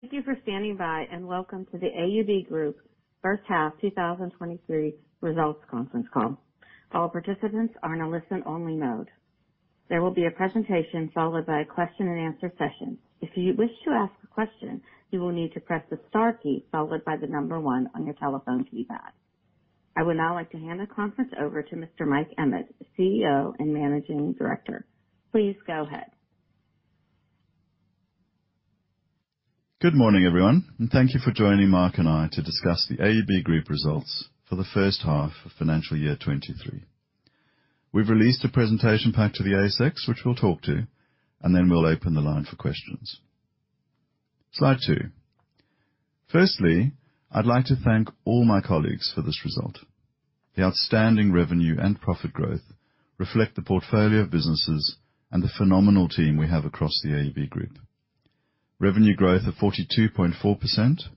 Thank you for standing by and welcome to the AUB Group first half 2023 results conference call. All participants are in a listen only mode. There will be a presentation followed by a question and answer session. If you wish to ask a question, you will need to press the star key followed by the number one on your telephone keypad. I would now like to hand the conference over to Mr. Mike Emmett, CEO and Managing Director. Please go ahead. Good morning, everyone, and thank you for joining Mark and I to discuss the AUB Group results for the first half of financial year 2023. We've released a presentation pack to the ASX, which we'll talk to, then we'll open the line for questions. Slide 2. Firstly, I'd like to thank all my colleagues for this result. The outstanding revenue and profit growth reflect the portfolio of businesses and the phenomenal team we have across the AUB Group. Revenue growth of 42.4%,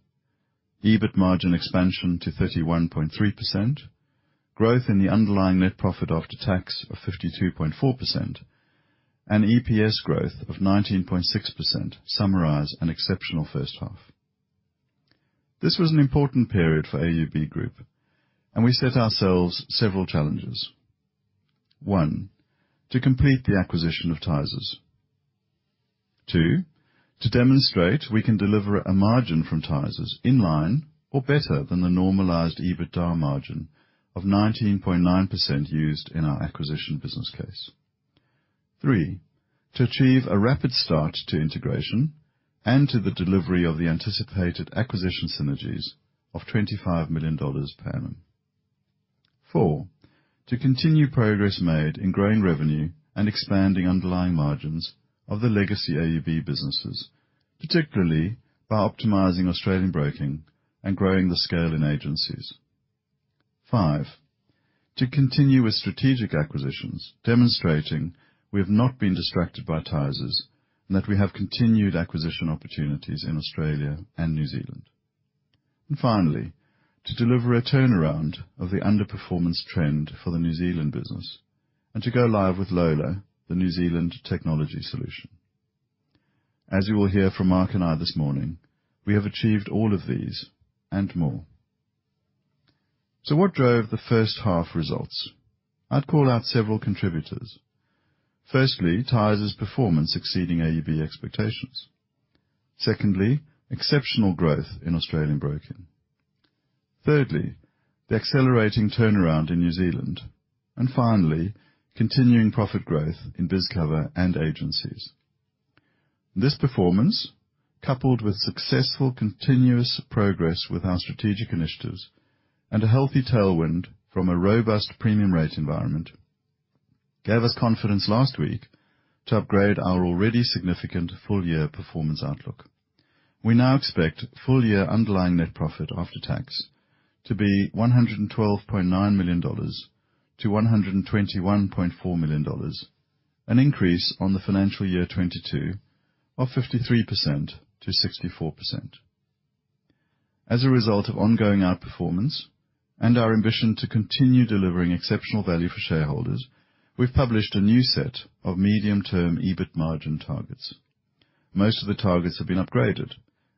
EBIT margin expansion to 31.3%, growth in the underlying net profit after tax of 52.4%, and EPS growth of 19.6% summarize an exceptional first half. This was an important period for AUB Group and we set ourselves several challenges. 1, to complete the acquisition of Tysers. Two, to demonstrate we can deliver a margin from Tysers in line or better than the normalized EBITDA margin of 19.9% used in our acquisition business case. Three, to achieve a rapid start to integration and to the delivery of the anticipated acquisition synergies of 25 million dollars per annum. Four, to continue progress made in growing revenue and expanding underlying margins of the legacy AUB businesses, particularly by optimizing Australian Broking and growing the scale in agencies. Five, to continue with strategic acquisitions, demonstrating we have not been distracted by Tysers, and that we have continued acquisition opportunities in Australia and New Zealand. Finally, to deliver a turnaround of the underperformance trend for the New Zealand business and to go live with Lola, the New Zealand technology solution. As you will hear from Mark and I this morning, we have achieved all of these and more. What drove the first half results? I'd call out several contributors. Firstly, Tysers performance exceeding AUB expectations. Secondly, exceptional growth in Australian Broking. Thirdly, the accelerating turnaround in New Zealand. Finally, continuing profit growth in BizCover and Agencies. This performance, coupled with successful continuous progress with our strategic initiatives and a healthy tailwind from a robust premium rate environment, gave us confidence last week to upgrade our already significant full year performance outlook. We now expect full year underlying net profit after tax to be 112.9 million-121.4 million dollars, an increase on the financial year 2022 of 53%-64%. As a result of ongoing outperformance and our ambition to continue delivering exceptional value for shareholders, we've published a new set of medium-term EBIT margin targets. Most of the targets have been upgraded,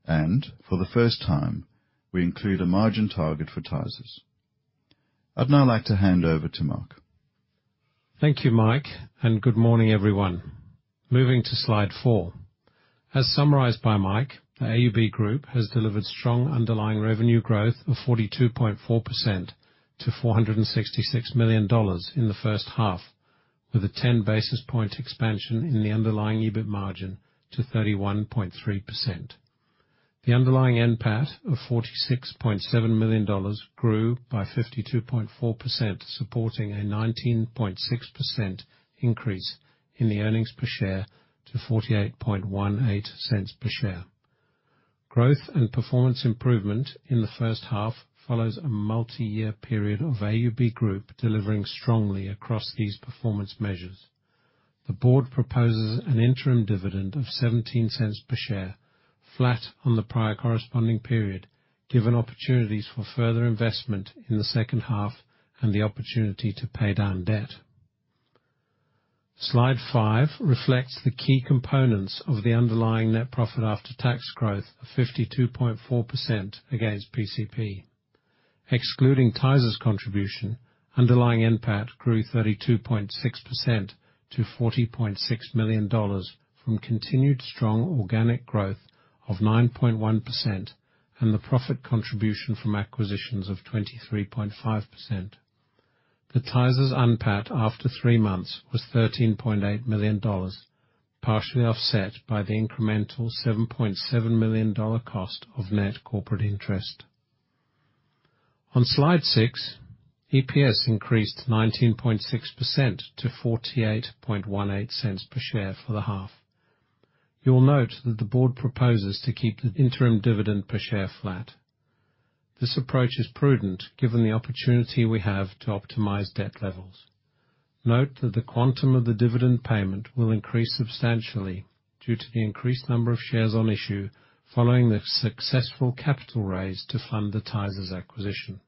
and for the first time, we include a margin target for Tysers. I'd now like to hand over to Mark. Thank you, Mike. Good morning, everyone. Moving to slide 4. As summarized by Mike, the AUB Group has delivered strong underlying revenue growth of 42.4% to $466 million in the first half, with a 10 basis point expansion in the underlying EBIT margin to 31.3%. The underlying NPAT of $46.7 million grew by 52.4%, supporting a 19.6% increase in the earnings per share to $0.4818 per share. Growth and performance improvement in the first half follows a multi-year period of AUB Group delivering strongly across these performance measures. The board proposes an interim dividend of $0.17 per share, flat on the prior corresponding period, given opportunities for further investment in the second half and the opportunity to pay down debt. Slide 5 reflects the key components of the underlying net profit after tax growth of 52.4% against PCP. Excluding Tysers contribution, underlying NPAT grew 32.6% to 40.6 million dollars from continued strong organic growth of 9.1% and the profit contribution from acquisitions of 23.5%. The Tysers NPAT after three months was 13.8 million dollars, partially offset by the incremental 7.7 million dollar cost of net corporate interest. On Slide 6, EPS increased 19.6% to 0.4818 per share for the half. You will note that the board proposes to keep the interim dividend per share flat. This approach is prudent given the opportunity we have to optimize debt levels. Note that the quantum of the dividend payment will increase substantially due to the increased number of shares on issue following the successful capital raise to fund the Tysers acquisition.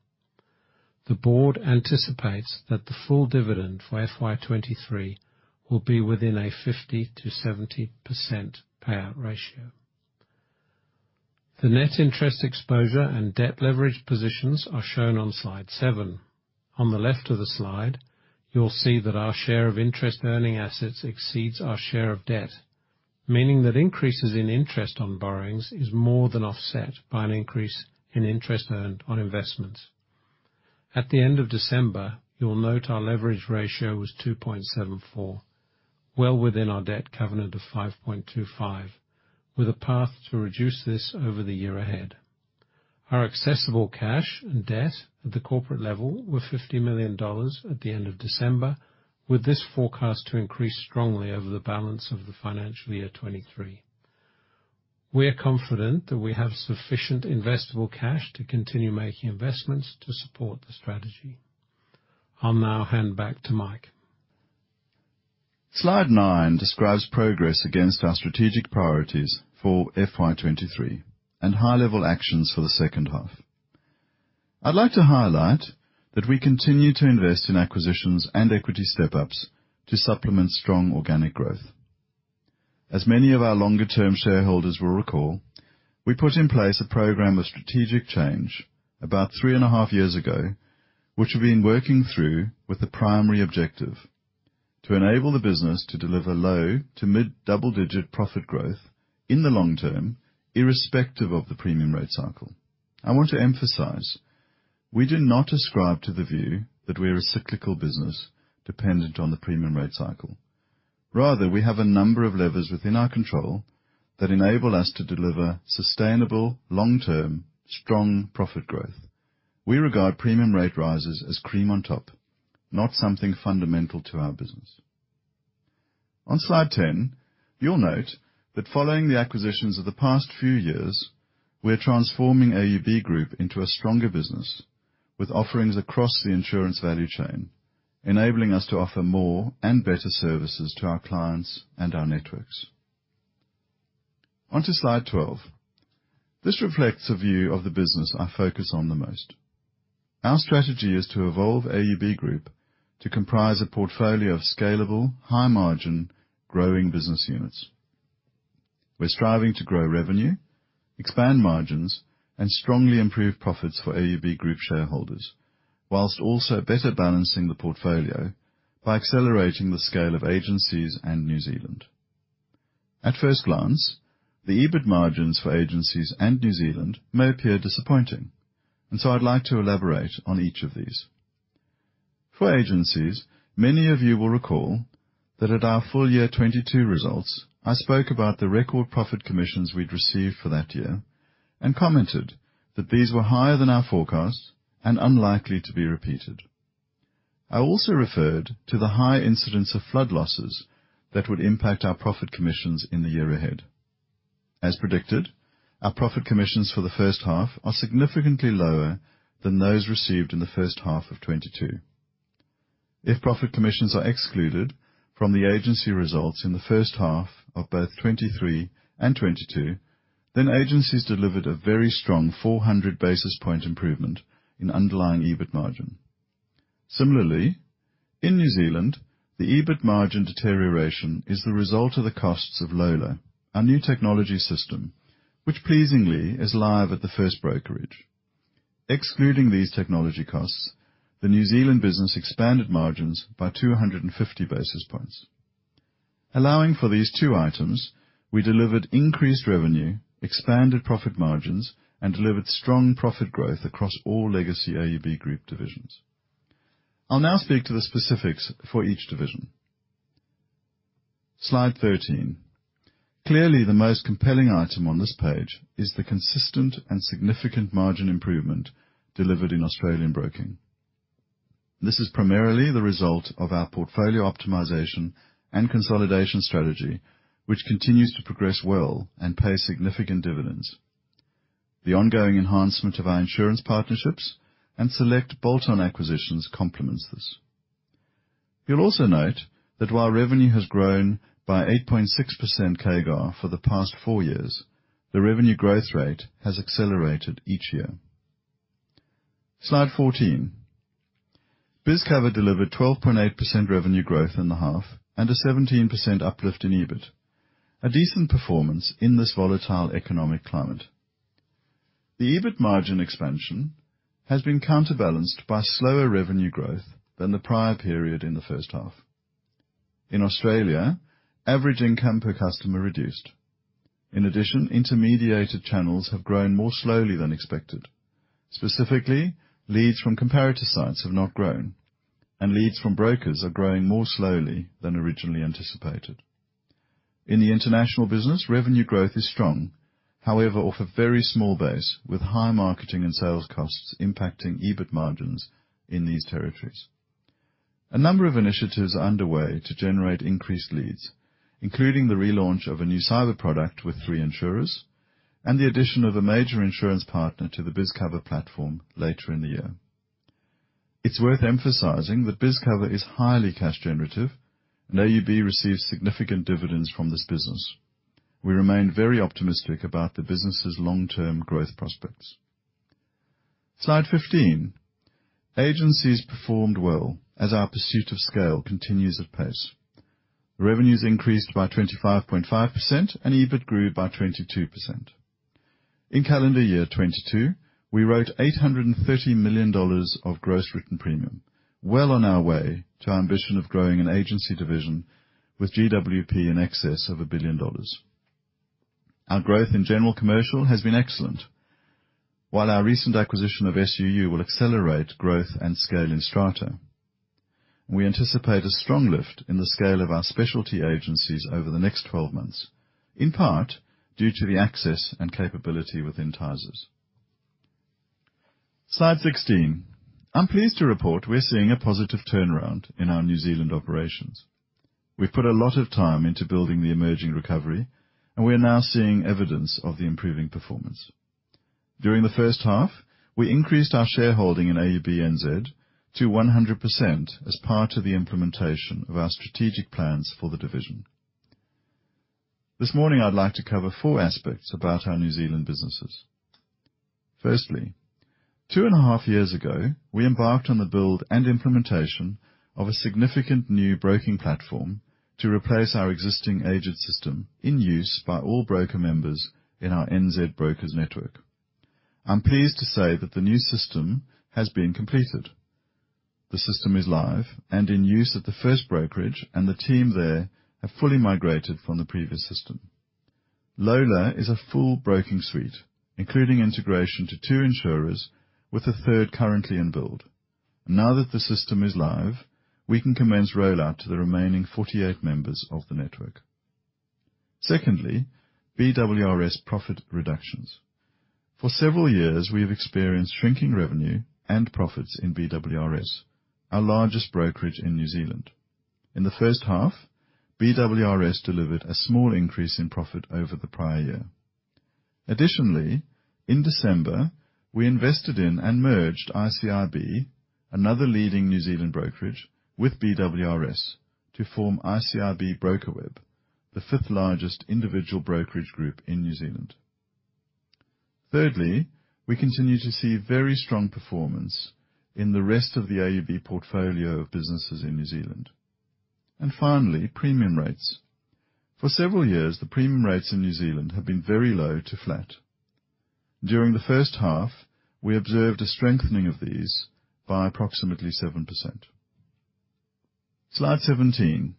The board anticipates that the full dividend for FY23 will be within a 50%-70% payout ratio. The net interest exposure and debt leverage positions are shown on slide 7. On the left of the slide, you'll see that our share of interest-earning assets exceeds our share of debt, meaning that increases in interest on borrowings is more than offset by an increase in interest earned on investments. At the end of December, you'll note our leverage ratio was 2.74, well within our debt covenant of 5.25, with a path to reduce this over the year ahead. Our accessible cash and debt at the corporate level were 50 million dollars at the end of December, with this forecast to increase strongly over the balance of the financial year 2023. We are confident that we have sufficient investable cash to continue making investments to support the strategy. I'll now hand back to Mike. Slide 9 describes progress against our strategic priorities for FY23 and high-level actions for the second half. I'd like to highlight that we continue to invest in acquisitions and equity step-ups to supplement strong organic growth. As many of our longer-term shareholders will recall, we put in place a program of strategic change about three and a half years ago, which we've been working through with the primary objective to enable the business to deliver low to mid-double-digit profit growth in the long term, irrespective of the premium rate cycle. I want to emphasize, we do not ascribe to the view that we're a cyclical business dependent on the premium rate cycle. Rather, we have a number of levers within our control that enable us to deliver sustainable, long-term, strong profit growth. We regard premium rate rises as cream on top, not something fundamental to our business. On slide 10, you'll note that following the acquisitions of the past few years, we're transforming AUB Group into a stronger business with offerings across the insurance value chain, enabling us to offer more and better services to our clients and our networks. On to slide 12. This reflects a view of the business I focus on the most. Our strategy is to evolve AUB Group to comprise a portfolio of scalable, high margin, growing business units. We're striving to grow revenue, expand margins, and strongly improve profits for AUB Group shareholders, whilst also better balancing the portfolio by accelerating the scale of Agencies and New Zealand. At first glance, the EBIT margins for Agencies and New Zealand may appear disappointing. I'd like to elaborate on each of these. For Agencies, many of you will recall that at our full year FY22 results, I spoke about the record profit commissions we'd received for that year and commented that these were higher than our forecast and unlikely to be repeated. I also referred to the high incidence of flood losses that would impact our profit commissions in the year ahead. As predicted, our profit commissions for the first half are significantly lower than those received in the first half of FY22. If profit commissions are excluded from the Agency results in the first half of both FY23 and FY22, Agencies delivered a very strong 400 basis point improvement in underlying EBIT margin. Similarly, in New Zealand, the EBIT margin deterioration is the result of the costs of Lola, our new technology system, which pleasingly is live at the first brokerage. Excluding these technology costs, the New Zealand business expanded margins by 250 basis points. Allowing for these two items, we delivered increased revenue, expanded profit margins, and delivered strong profit growth across all legacy AUB Group divisions. I'll now speak to the specifics for each division. Slide 13. Clearly, the most compelling item on this page is the consistent and significant margin improvement delivered in Australian Broking. This is primarily the result of our portfolio optimization and consolidation strategy, which continues to progress well and pay significant dividends. The ongoing enhancement of our insurance partnerships and select bolt-on acquisitions complements this. You'll also note that while revenue has grown by 8.6% CAGR for the past four years, the revenue growth rate has accelerated each year. Slide 14. BizCover delivered 12.8% revenue growth in the half and a 17% uplift in EBIT, a decent performance in this volatile economic climate. The EBIT margin expansion has been counterbalanced by slower revenue growth than the prior period in the first half. In Australia, average income per customer reduced. Intermediated channels have grown more slowly than expected. Specifically, leads from comparator sites have not grown, and leads from brokers are growing more slowly than originally anticipated. In the international business, revenue growth is strong. Off a very small base with high marketing and sales costs impacting EBIT margins in these territories. A number of initiatives are underway to generate increased leads, including the relaunch of a new cyber product with 3 insurers and the addition of a major insurance partner to the BizCover platform later in the year. It's worth emphasizing that BizCover is highly cash generative, and AUB receives significant dividends from this business. We remain very optimistic about the business's long-term growth prospects. Slide 15. Agencies performed well as our pursuit of scale continues at pace. Revenues increased by 25.5% and EBIT grew by 22%. In calendar year 2022, we wrote $830 million of gross written premium, well on our way to our ambition of growing an agency division with GWP in excess of $1 billion. Our growth in general commercial has been excellent, while our recent acquisition of SUU will accelerate growth and scale in Strata. We anticipate a strong lift in the scale of our specialty agencies over the next 12 months, in part due to the access and capability within Tysers. Slide 16. I'm pleased to report we're seeing a positive turnaround in our New Zealand operations. We've put a lot of time into building the emerging recovery, and we are now seeing evidence of the improving performance. During the first half, we increased our shareholding in AUB NZ to 100% as part of the implementation of our strategic plans for the division. This morning, I'd like to cover 4 aspects about our New Zealand businesses. Firstly, 2 and a half years ago, we embarked on the build and implementation of a significant new broking platform to replace our existing aged system in use by all broker members in our NZbrokers network. I'm pleased to say that the new system has been completed. The system is live and in use at the first brokerage, and the team there have fully migrated from the previous system. Lola is a full broking suite, including integration to two insurers with a third currently in build. Now that the system is live, we can commence rollout to the remaining 48 members of the network. Secondly, BWRS profit reductions. For several years, we have experienced shrinking revenue and profits in BWRS, our largest brokerage in New Zealand. In the first half, BWRS delivered a small increase in profit over the prior year. Additionally, in December, we invested in and merged ICIB, another leading New Zealand brokerage, with BWRS to form ICIB Brokerweb, the 5th largest individual brokerage group in New Zealand. Thirdly, we continue to see very strong performance in the rest of the AUB portfolio of businesses in New Zealand. Finally, premium rates. For several years, the premium rates in New Zealand have been very low to flat. During the first half, we observed a strengthening of these by approximately 7%. Slide 17.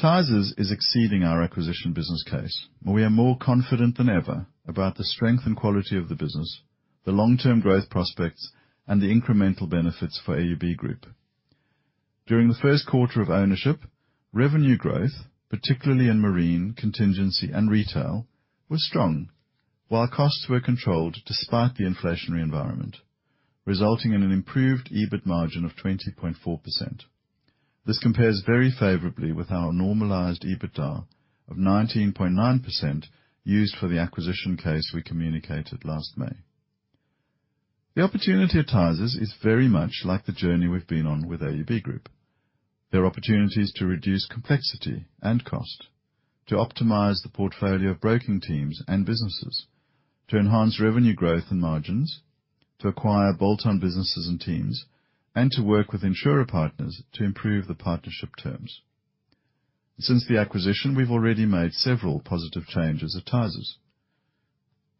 Tysers is exceeding our acquisition business case. We are more confident than ever about the strength and quality of the business, the long-term growth prospects, and the incremental benefits for AUB Group. During the first quarter of ownership, revenue growth, particularly in marine, contingency, and retail, was strong. Costs were controlled despite the inflationary environment, resulting in an improved EBIT margin of 20.4%. This compares very favorably with our normalized EBITDA of 19.9% used for the acquisition case we communicated last May. The opportunity at Tysers is very much like the journey we've been on with AUB Group. There are opportunities to reduce complexity and cost, to optimize the portfolio of broking teams and businesses, to enhance revenue growth and margins, to acquire bolt-on businesses and teams, and to work with insurer partners to improve the partnership terms. Since the acquisition, we've already made several positive changes at Tysers.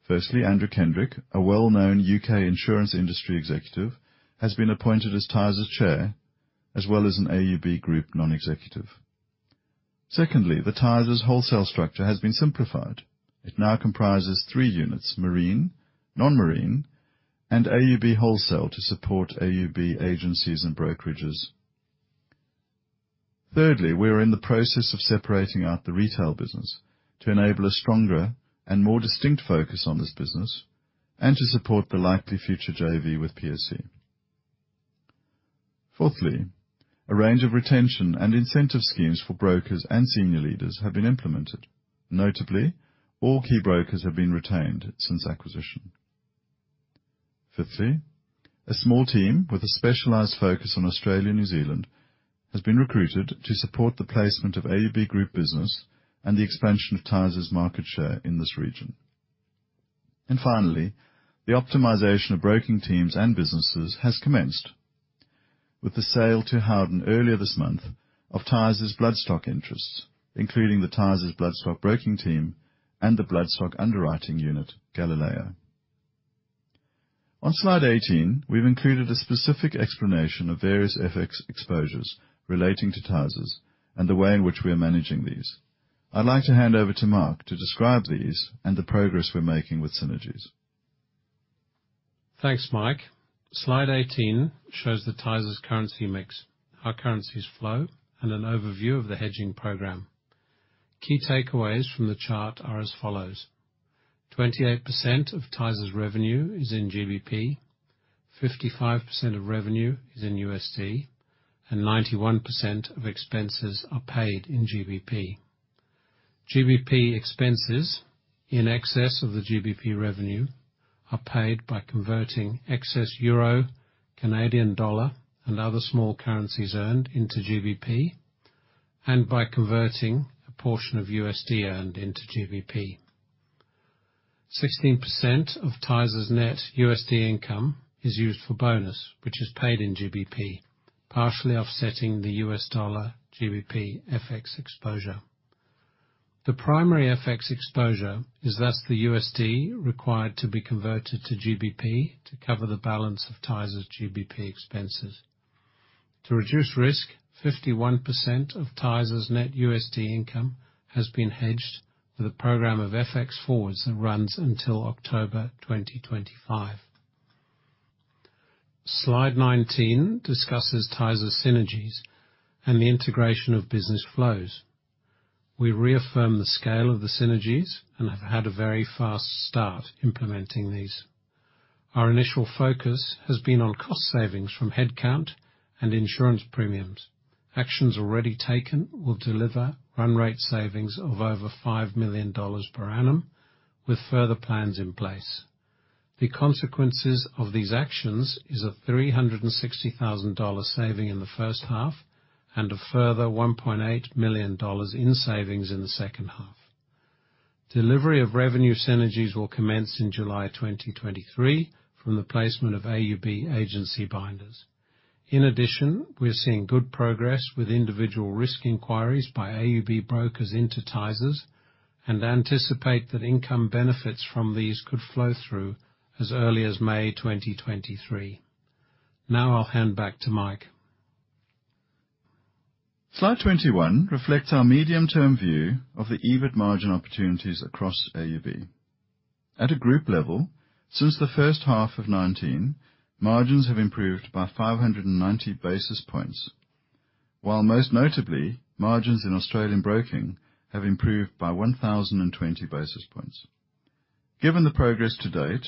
Firstly, Andrew Kendrick, a well-known U.K. insurance industry executive, has been appointed as Tysers chair as well as an AUB Group non-executive. Secondly, the Tysers wholesale structure has been simplified. It now comprises three units: marine, non-marine, and AUB wholesale to support AUB agencies and brokerages. Thirdly, we are in the process of separating out the retail business to enable a stronger and more distinct focus on this business and to support the likely future JV with POC. Fourthly, a range of retention and incentive schemes for brokers and senior leaders have been implemented. Notably, all key brokers have been retained since acquisition. Fifthly, a small team with a specialized focus on Australia and New Zealand has been recruited to support the placement of AUB Group business and the expansion of Tysers market share in this region. Finally, the optimization of broking teams and businesses has commenced with the sale to Howden earlier this month of Tysers Bloodstock interests, including the Tysers Bloodstock broking team and the Bloodstock underwriting unit, Galileo. On slide 18, we've included a specific explanation of various FX exposures relating to Tysers and the way in which we are managing these. I'd like to hand over to Mark to describe these and the progress we're making with synergies. Thanks, Mike. Slide 18 shows the Tysers currency mix, how currencies flow, and an overview of the hedging program. Key takeaways from the chart are as follows: 28% of Tysers revenue is in GBP, 55% of revenue is in USD, and 91% of expenses are paid in GBP. GBP expenses in excess of the GBP revenue are paid by converting excess euro, Canadian dollar, and other small currencies earned into GBP, and by converting a portion of USD earned into GBP. 16% of Tysers' net USD income is used for bonus, which is paid in GBP, partially offsetting the U.S. dollar GBP FX exposure. The primary FX exposure is thus the USD required to be converted to GBP to cover the balance of Tysers' GBP expenses. To reduce risk, 51% of Tysers' net USD income has been hedged with a program of FX forwards that runs until October 2025. Slide 19 discusses Tysers' synergies and the integration of business flows. We reaffirm the scale of the synergies and have had a very fast start implementing these. Our initial focus has been on cost savings from headcount and insurance premiums. Actions already taken will deliver run rate savings of over 5 million dollars per annum with further plans in place. The consequences of these actions is a 360,000 dollar saving in the first half and a further 1.8 million dollars in savings in the second half. Delivery of revenue synergies will commence in July 2023 from the placement of AUB agency binders. In addition, we're seeing good progress with individual risk inquiries by AUB brokers into Tysers and anticipate that income benefits from these could flow through as early as May 2023. I'll hand back to Mike. Slide 21 reflects our medium-term view of the EBIT margin opportunities across AUB. At a group level, since the first half of 2019, margins have improved by 590 basis points, while most notably, margins in Australian Broking have improved by 1,020 basis points. Given the progress to date,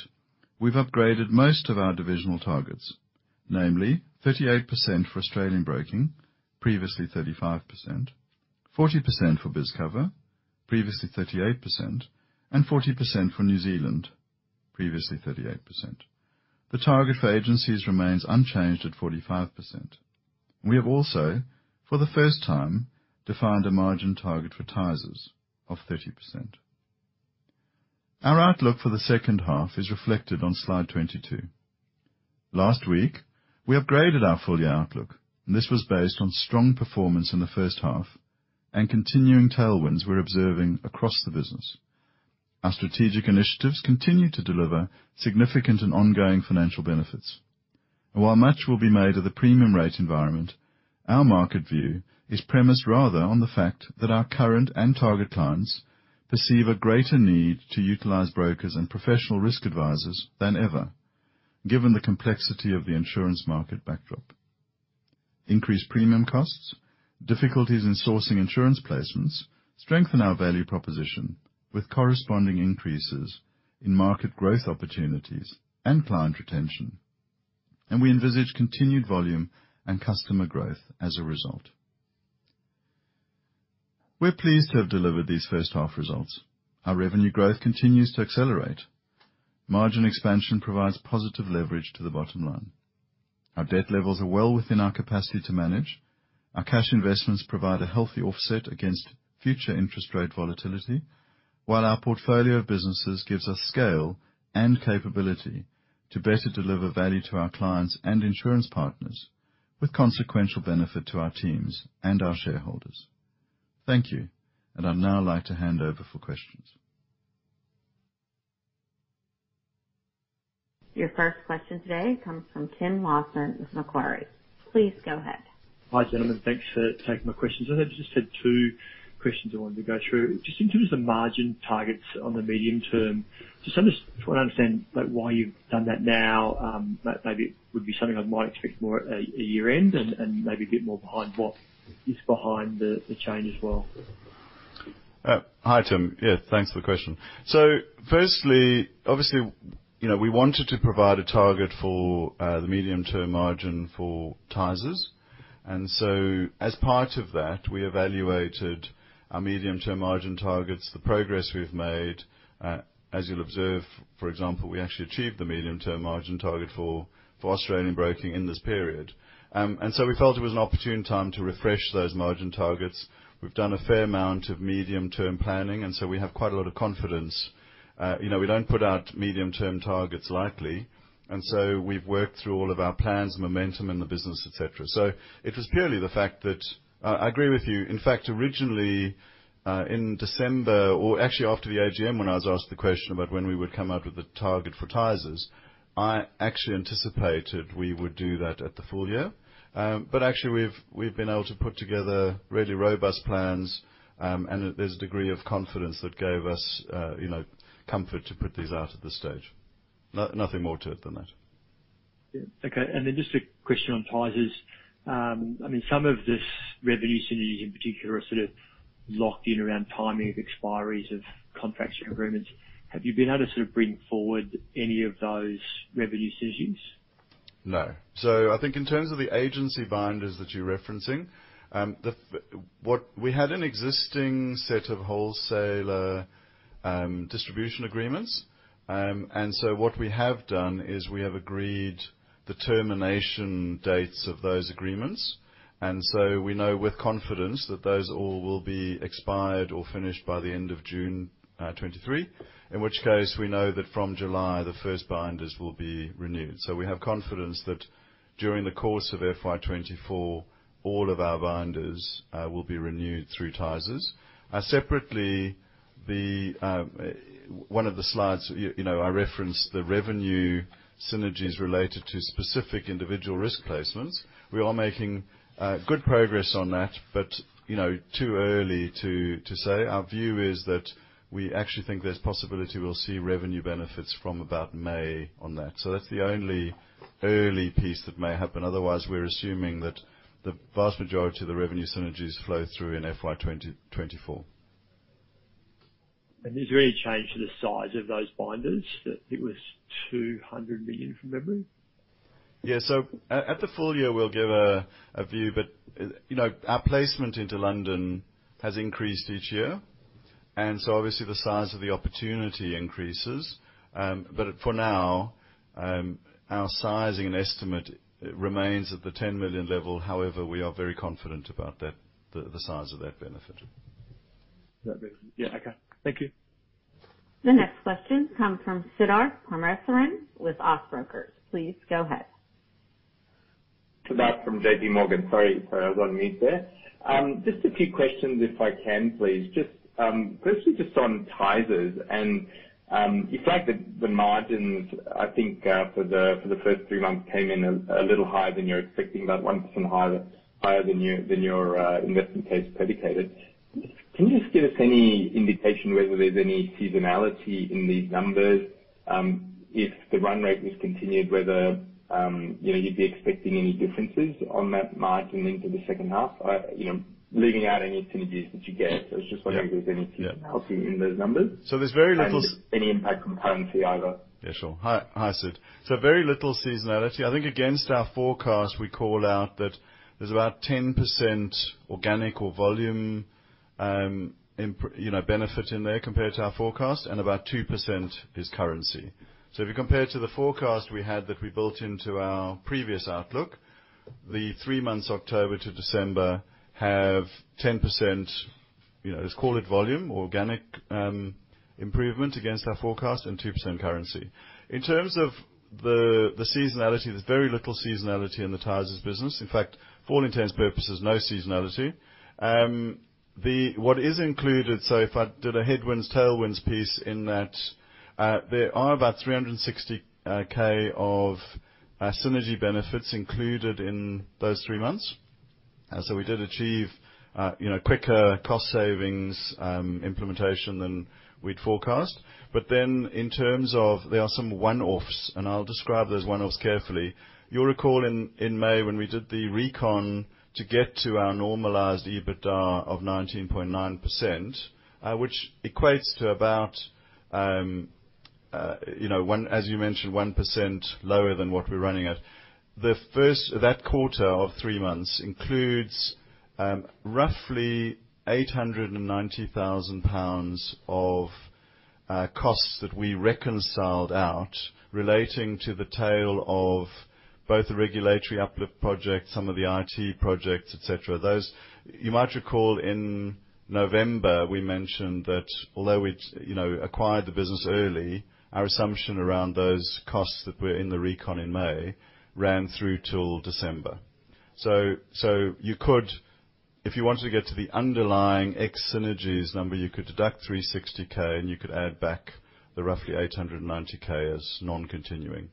we've upgraded most of our divisional targets, namely 38% for Australian Broking, previously 35%, 40% for BizCover, previously 38%, and 40% for New Zealand, previously 38%. The target for agencies remains unchanged at 45%. We have also, for the first time, defined a margin target for Tysers of 30%. Our outlook for the second half is reflected on slide 22. Last week, we upgraded our full year outlook. This was based on strong performance in the first half and continuing tailwinds we're observing across the business. Our strategic initiatives continue to deliver significant and ongoing financial benefits. While much will be made of the premium rate environment, our market view is premised rather on the fact that our current and target clients perceive a greater need to utilize brokers and professional risk advisors than ever, given the complexity of the insurance market backdrop. Increased premium costs, difficulties in sourcing insurance placements strengthen our value proposition with corresponding increases in market growth opportunities and client retention. We envisage continued volume and customer growth as a result. We're pleased to have delivered these first half results. Our revenue growth continues to accelerate. Margin expansion provides positive leverage to the bottom line. Our debt levels are well within our capacity to manage. Our cash investments provide a healthy offset against future interest rate volatility, while our portfolio of businesses gives us scale and capability to better deliver value to our clients and insurance partners with consequential benefit to our teams and our shareholders. Thank you. I'd now like to hand over for questions. Your first question today comes from Tim Lawson with Macquarie. Please go ahead. Hi, gentlemen. Thanks for taking my questions. I just had two questions I wanted to go through. Just in terms of margin targets on the medium term, just want to understand, why you've done that now? Maybe it would be something I might expect more at year-end and maybe a bit more behind what is behind the change as well. Hi, Tim. Thanks for the question. Firstly, obviously, we wanted to provide a target for the medium-term margin for Tysers. As part of that, we evaluated our medium-term margin targets, the progress we've made. As you'll observe, for example, we actually achieved the medium-term margin target for Austbrokers in this period. We felt it was an opportune time to refresh those margin targets. We've done a fair amount of medium-term planning, and so we have quite a lot of confidence. We don't put out medium-term targets lightly, and so we've worked through all of our plans, momentum in the business, et cetera. It was purely the fact that. I agree with you. In fact, originally, in December, or actually after the AGM, when I was asked the question about when we would come out with a target for Tysers, I actually anticipated we would do that at the full year. Actually, we've been able to put together really robust plans, and there's a degree of confidence that gave us, comfort to put these out at this stage. Nothing more to it than that. Okay. Then just a question on Tysers. I mean, some of this revenue synergies in particular are sort of locked in around timing of expiries of contracts or agreements. Have you been able to sort of bring forward any of those revenue synergies? No. I think in terms of the agency binders that you're referencing, we had an existing set of wholesaler distribution agreements. What we have done is we have agreed the termination dates of those agreements. We know with confidence that those all will be expired or finished by the end of June 2023. In which case we know that from July the first binders will be renewed. We have confidence that during the course of FY2024 all of our binders will be renewed through Tysers. Separately, the, one of the slides, I referenced the revenue synergies related to specific individual risk placements. We are making good progress on that but, too early to say. Our view is that we actually think there's possibility we'll see revenue benefits from about May on that. That's the only early piece that may happen. Otherwise, we're assuming that the vast majority of the revenue synergies flow through in FY24. Has there any change to the size of those binders? It was 200 million from memory. At the full year we'll give a view, but, our placement into London has increased each year. Obviously the size of the opportunity increases. But for now, our sizing and estimate remains at the 10 million level. However, we are very confident about that, the size of that benefit. That's it. Yeah. Okay. Thank you. The next question comes from Siddharth Parameswaran with Ord Minnett. Please go ahead. Siddharth from J.P. Morgan. Sorry, I was on mute there. Just a few questions if I can please. Firstly just on Tysers and the fact that the margins, I think, for the first three months came in a little higher than you're expecting, about 1% higher than your investment case predicated. Can you just give us any indication whether there's any seasonality in these numbers? If the run rate was continued, whether, you'd be expecting any differences on that margin into the second half. Leaving out any synergies that you get. It's just wondering if there's any seasonality in those numbers. There's very little. Any impact from currency either. Yeah, sure. Hi, Sid. Very little seasonality. I think against our forecast we called out that there's about 10% organic or volume, benefit in there compared to our forecast, and about 2% is currency. If you compare to the forecast we had that we built into our previous outlook, the three months October to December have 10%, just call it volume, organic, improvement against our forecast and 2% currency. In terms of the seasonality, there's very little seasonality in the Tysers business. In fact, for all intents and purposes, no seasonality. What is included, so if I did a headwinds, tailwinds piece in that, there are about 360K of synergy benefits included in those three months. We did achieve, quicker cost savings implementation than we'd forecast. In terms of there are some one-offs, and I'll describe those one-offs carefully. You'll recall in May when we did the recon to get to our normalized EBITDA of 19.9%, which equates to about, as you mentioned, 1% lower than what we're running at. That quarter of 3 months includes roughly 890,000 pounds of costs that we reconciled out relating to the tail of both the regulatory uplift project, some of the IT projects, et cetera. You might recall in November we mentioned that although we'd, acquired the business early, our assumption around those costs that were in the recon in May ran through till December. You could, if you wanted to get to the underlying ex synergies number, you could deduct 360K and you could add back the roughly 890K as non-continuing.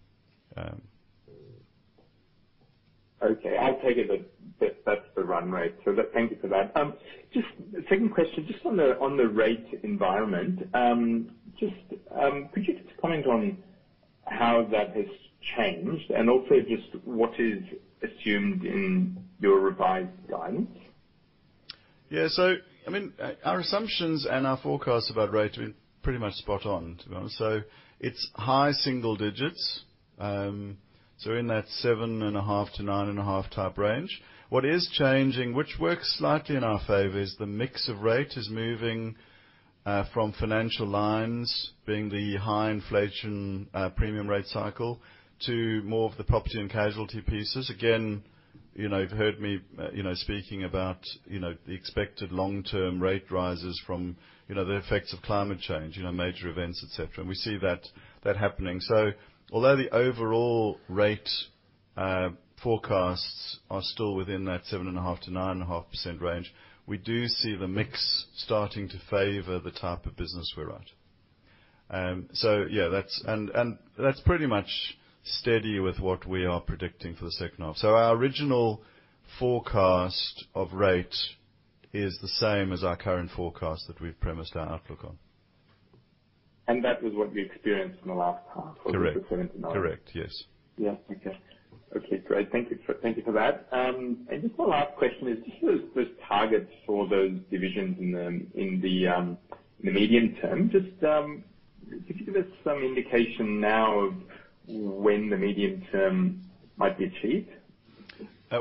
Okay. I take it that that's the run rate. Thank you for that. Just second question, just on the rate environment. Could you just comment on how that has changed and also just what is assumed in your revised guidance? Our assumptions and our forecasts about rate have been pretty much spot on to be honest. It's high single digits. In that 7.5%-9.5% type range. What is changing, which works slightly in our favor, is the mix of rate is moving from financial lines, being the high inflation, premium rate cycle, to more of the property and casualty pieces. again, you've heard me, speaking about, the expected long-term rate rises from, the effects of climate change, major events, et cetera. We see that happening. Although the overall rate, forecasts are still within that 7.5%-9.5% range, we do see the mix starting to favor the type of business we write. That's pretty much steady with what we are predicting for the second half. Our original forecast of rate is the same as our current forecast that we've premised our outlook on. That was what we experienced in the last half- Correct. The quarter. Correct. Yes. Okay, great. Thank you for that. Just my last question is, just those targets for those divisions in the, in the medium term. Can you give us some indication now of when the medium term might be achieved?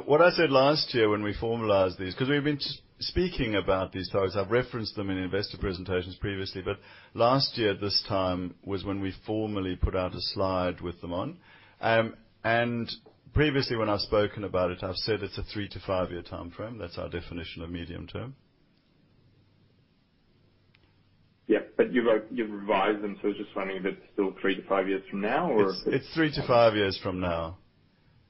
What I said last year when we formalized these, 'cause we've been speaking about these targets. I've referenced them in investor presentations previously, but last year this time was when we formally put out a slide with them on. Previously when I've spoken about it, I've said it's a 3-5-year timeframe. That's our definition of medium term. You've revised them, I was just wondering if it's still three to five years from now or if it's. It's 3 to 5 years from now.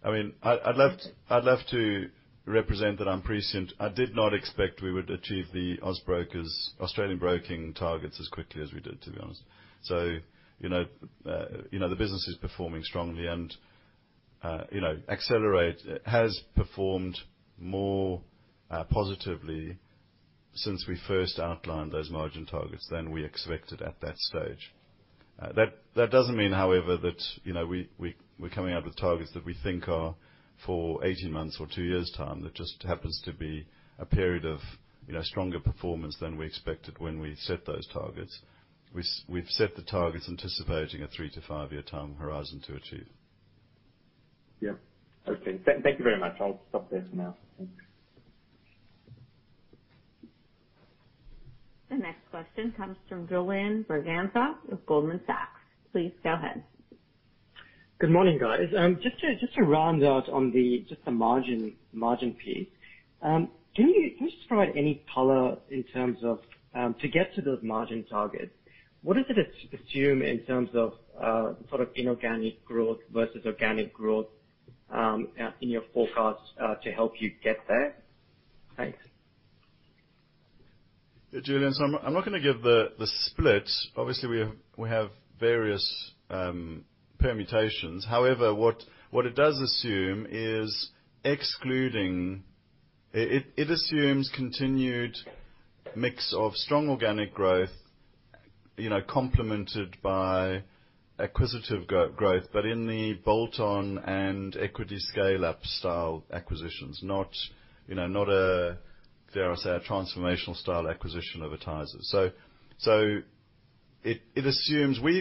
I mean, I'd love to represent that I'm prescient. I did not expect we would achieve the Austbrokers, Australian broking targets as quickly as we did, to be honest., the business is performing strongly and, Accelerate has performed more positively since we first outlined those margin targets than we expected at that stage. That doesn't mean, however, that, we're coming up with targets that we think are for 18 months or 2 years' time. That just happens to be a period of, stronger performance than we expected when we set those targets. We've set the targets anticipating a 3 to 5-year time horizon to achieve. Thank you very much. I'll stop there for now. Thanks. The next question comes from Julian Braganza of Goldman Sachs. Please go ahead. Good morning, guys. Just to round out on the just the margin piece, can you just provide any color in terms of to get to those margin targets, what does it assume in terms of sort of inorganic growth versus organic growth in your forecast to help you get there? Thanks. Julian, I'm not gonna give the split. Obviously we have various permutations. However, what it does assume is it assumes continued mix of strong organic growth, complemented by acquisitive growth, but in the bolt-on and equity scale-up style acquisitions, not, not a, dare I say, a transformational style acquisition of a Tysers. It assumes.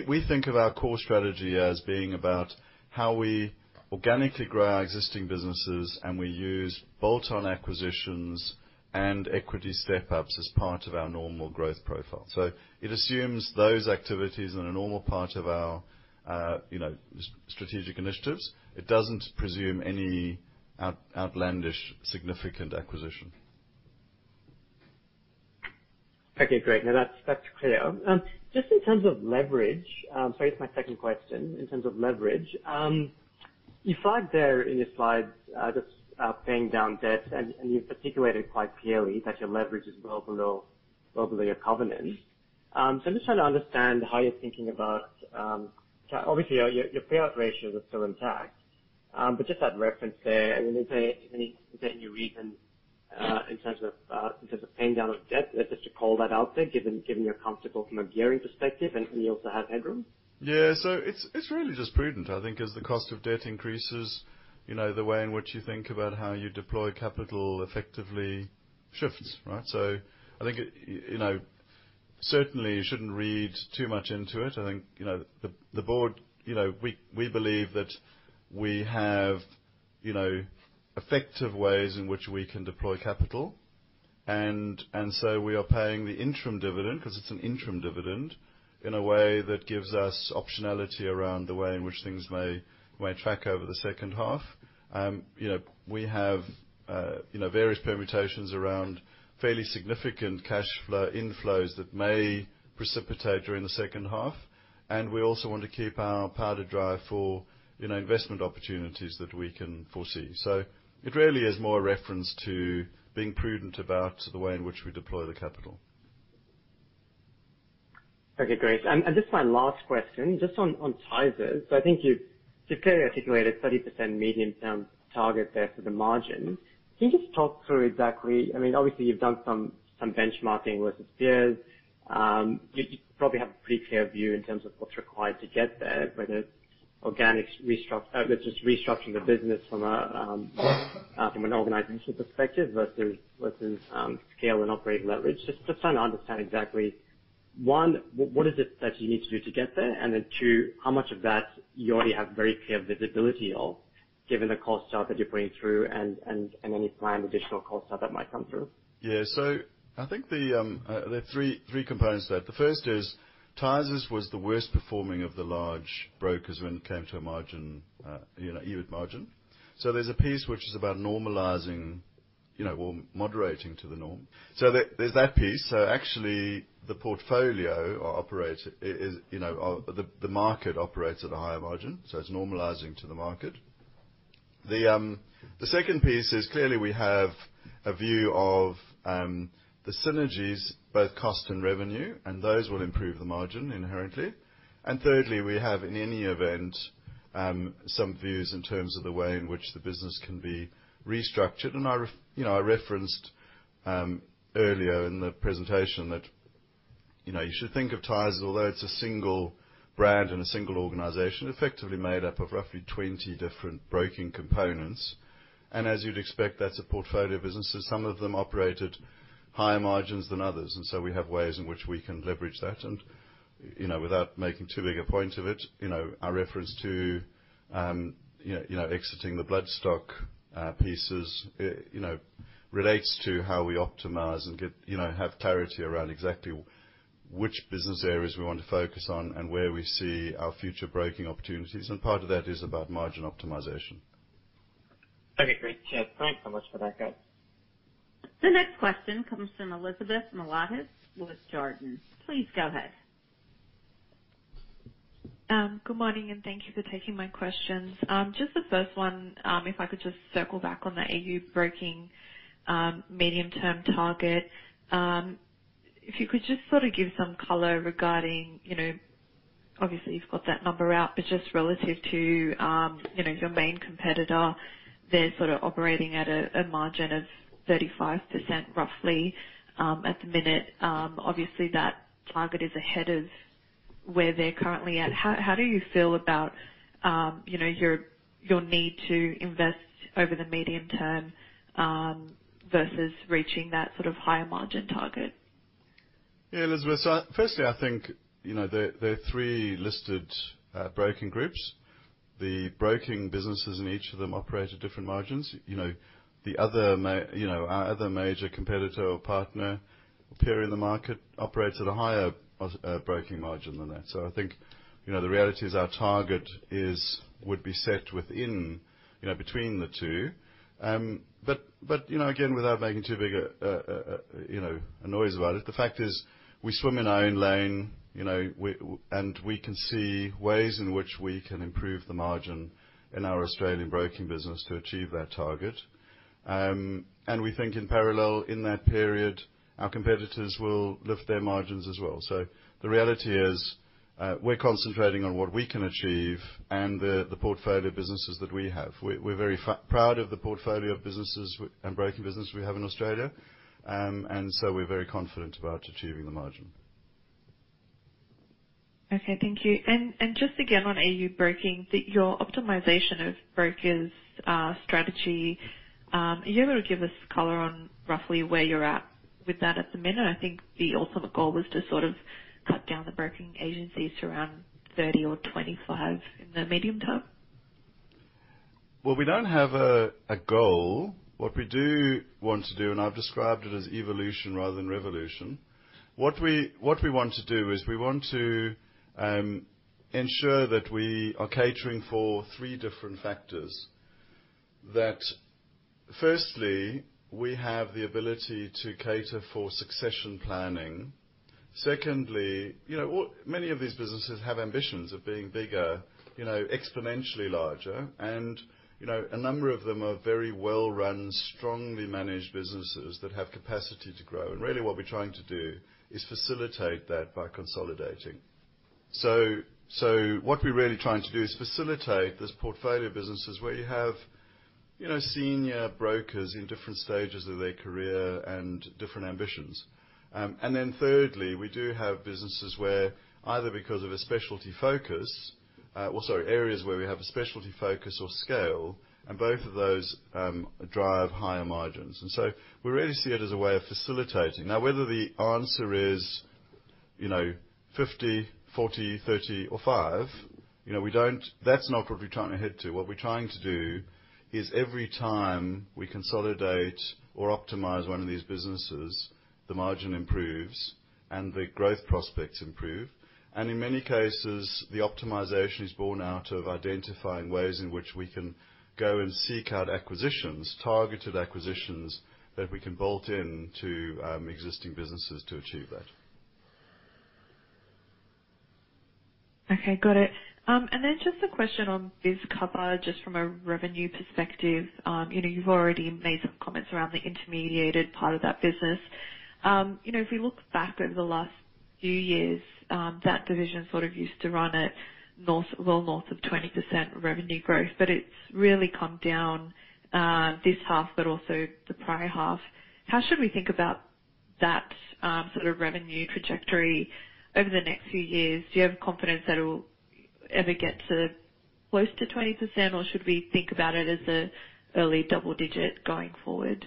We think of our core strategy as being about how we organically grow our existing businesses, and we use bolt-on acquisitions and equity step-ups as part of our normal growth profile. It assumes those activities are a normal part of our, strategic initiatives. It doesn't presume any outlandish significant acquisition. Okay, great. No, that's clear. Just in terms of leverage, so it's my second question in terms of leverage. You flagged there in your slides, just paying down debt, and you've articulated quite clearly that your leverage is well below your covenant. I'm just trying to understand how you're thinking about, obviously your payout ratios are still intact, but just that reference there, I mean, is there any reason in terms of paying down debt, just to call that out there, given you're comfortable from a gearing perspective and you also have headroom? It's really just prudent. I think as the cost of debt increases, the way in which you think about how you deploy capital effectively shifts, right? I think it, certainly you shouldn't read too much into it. I think, the board, we believe that we have, effective ways in which we can deploy capital. We are paying the interim dividend, 'cause it's an interim dividend, in a way that gives us optionality around the way in which things may track over the second half. We have, various permutations around fairly significant cash flow inflows that may precipitate during the second half. We also want to keep our powder dry for, investment opportunities that we can foresee. It really is more a reference to being prudent about the way in which we deploy the capital. Okay, great. Just my last question, just on Tysers. I think you've clearly articulated 30% medium-term target there for the margin. Can you just talk through exactly? I mean, obviously you've done some benchmarking versus peers. You probably have a pretty clear view in terms of what's required to get there, whether it's organic restructuring, whether it's just restructuring the business from an organizational perspective versus scale and operating leverage. Just trying to understand exactly, 1, what is it that you need to do to get there? Then 2, how much of that you already have very clear visibility of, given the cost cut that you're bringing through and any planned additional cost cut that might come through. I think the three components to that. The first is Tysers was the worst performing of the large brokers when it came to margin, yield margin. There's a piece which is about normalizing, or moderating to the norm. There's that piece. Actually, the portfolio operator is, the market operates at a higher margin, so it's normalizing to the market. The second piece is clearly we have a view of the synergies, both cost and revenue, and those will improve the margin inherently. Thirdly, we have in any event, some views in terms of the way in which the business can be restructured. I know, I referenced earlier in the presentation that, you should think of Tysers, although it's a single brand and a single organization effectively made up of roughly 20 different broking components. As you'd expect, that's a portfolio of businesses. Some of them operated higher margins than others, we have ways in which we can leverage that. Without making too big a point of it, our reference to, exiting the bloodstock pieces, relates to how we optimize and get, have clarity around exactly which business areas we want to focus on and where we see our future broking opportunities. Part of that is about margin optimization. Okay, great. Cheers. Thanks so much for that, guys. The next question comes from Elizabeth Miliatis with Jarden. Please go ahead. Good morning, and thank you for taking my questions. Just the first one, if I could just circle back on the AUB Broking, medium-term target, if you could just sort of give some color regarding, obviously, you've got that number out, but just relative to, your main competitor, they're sort of operating at a margin of 35% roughly, at the minute. Obviously, that target is ahead of where they're currently at. How do you feel about, your need to invest over the medium term, versus reaching that sort of higher margin target? Elizabeth, firstly, I think, there are three listed broking groups. The broking businesses in each of them operate at different margins. Our other major competitor or partner, a peer in the market, operates at a higher broking margin than that. I think, the reality is our target would be set within, between the two. Again, without making too big, a noise about it, the fact is we swim in our own lane, you know. We can see ways in which we can improve the margin in our Australian broking business to achieve that target. We think in parallel, in that period, our competitors will lift their margins as well. The reality is, we're concentrating on what we can achieve and the portfolio businesses that we have. We're very proud of the portfolio of businesses and broking business we have in Australia, and so we're very confident about achieving the margin. Okay. Thank you. Just again, on Austbrokers, Your optimization of brokers' strategy, are you able to give us color on roughly where you're at with that at the minute? I think the ultimate goal was to sort of cut down the broking agencies to around 30 or 25 in the medium term. Well, we don't have a goal. What we want to do, and I've described it as evolution rather than revolution. What we want to do is we want to ensure that we are catering for three different factors. That firstly, we have the ability to cater for succession planning. Secondly, many of these businesses have ambitions of being bigger, exponentially larger. A number of them are very well-run, strongly managed businesses that have capacity to grow. Really what we're trying to do is facilitate that by consolidating. What we're really trying to do is facilitate this portfolio of businesses where you have, senior brokers in different stages of their career and different ambitions. Thirdly, we do have businesses where either because of a specialty focus, or areas where we have a specialty focus or scale, and both of those drive higher margins. We really see it as a way of facilitating. Now, whether the answer is, 50, 40, 30 or 5, we don't. That's not what we're trying to head to. What we're trying to do is every time we consolidate or optimize one of these businesses, the margin improves and the growth prospects improve. In many cases, the optimization is born out of identifying ways in which we can go and seek out acquisitions, targeted acquisitions that we can bolt into existing businesses to achieve that. Okay, got it. Then just a question on BizCover, just from a revenue perspective. You've already made some comments around the intermediated part of that business. If we look back over the last few years, that division sort of used to run at north, well north of 20% revenue growth, it's really come down, this half but also the prior half. How should we think about that, sort of revenue trajectory over the next few years? Do you have confidence that it will ever get to close to 20%, or should we think about it as a early double digit going forward?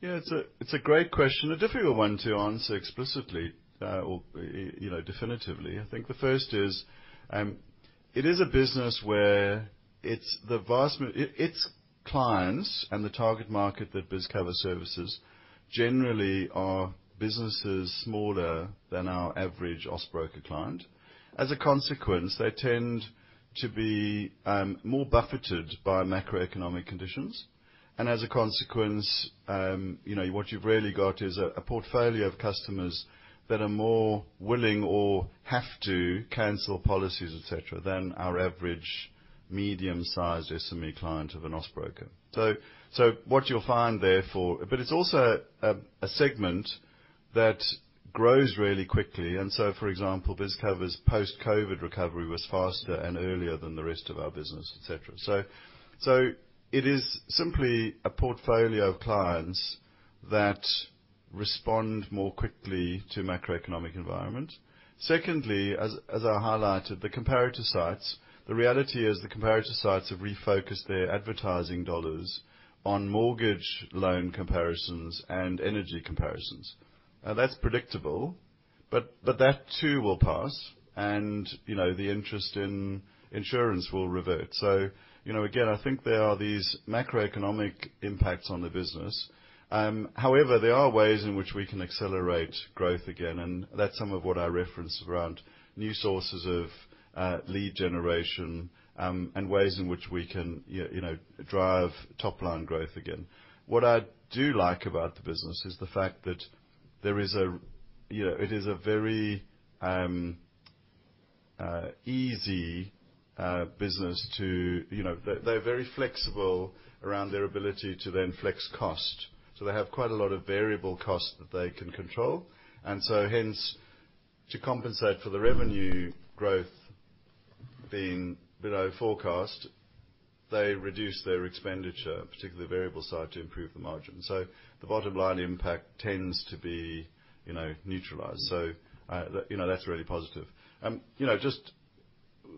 It's a great question. A difficult one to answer explicitly, definitively. I think the first is, it is a business where its clients and the target market that BizCover services generally are businesses smaller than our average Austbrokers client. As a consequence, they tend to be more buffeted by macroeconomic conditions. As a consequence, what you've really got is a portfolio of customers that are more willing or have to cancel policies, et cetera, than our average medium-sized SME client of an Austbrokers. What you'll find, therefore. It's also a segment that grows really quickly. For example, BizCover's post-COVID recovery was faster and earlier than the rest of our business, et cetera. It is simply a portfolio of clients that respond more quickly to macroeconomic environment. Secondly, as I highlighted, the comparator sites, the reality is the comparator sites have refocused their advertising dollars on mortgage loan comparisons and energy comparisons. That's predictable, but that too will pass and, the interest in insurance will revert. Again, I think there are these macroeconomic impacts on the business. However, there are ways in which we can accelerate growth again, and that's some of what I referenced around new sources of lead generation, and ways in which we can, drive top-line growth again. What I do like about the business is the fact that there is a, it is a very easy business to. They're very flexible around their ability to then flex cost. They have quite a lot of variable costs that they can control. Hence, to compensate for the revenue growth being below forecast, they reduce their expenditure, particularly the variable side, to improve the margin. The bottom line impact tends to be, neutralized. That's really positive.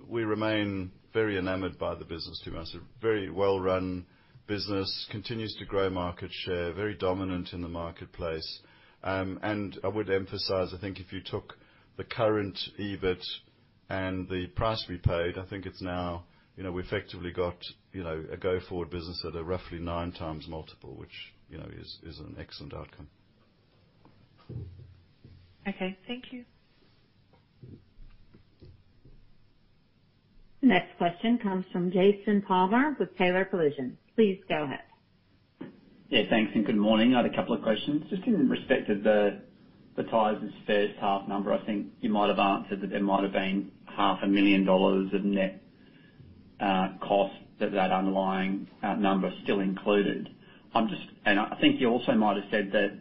We remain very enamored by the business to be honest. A very well-run business, continues to grow market share, very dominant in the marketplace. I would emphasize, I think if you took the current EBIT and the price we paid, I think it's now. We effectively got, a go-forward business at a roughly 9 times multiple, which, is an excellent outcome. Okay, thank you. Next question comes from Jason Palmer with Taylor Collison. Please go ahead. Yeah, thanks, and good morning. I had a couple of questions. Just in respect of the Tysers first half number, I think you might have answered that there might have been half a million dollars of net cost that underlying number still included. I think you also might have said that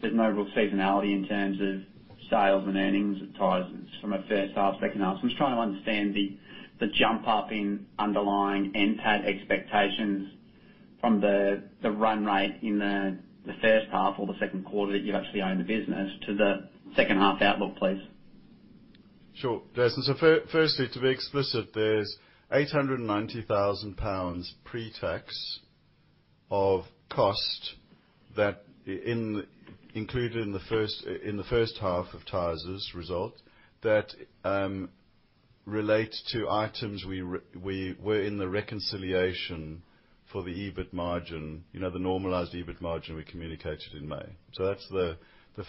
there's no real seasonality in terms of sales and earnings at Tysers from a first half, second half. I'm just trying to understand the jump up in underlying NPAT expectations from the run rate in the first half or the Q2 that you've actually owned the business to the second half outlook, please. Firstly, to be explicit, there's 890,000 pounds pre-tax of cost that included in the first half of Tysers' result that relate to items we were in the reconciliation for the EBIT margin, the normalized EBIT margin we communicated in May. That's the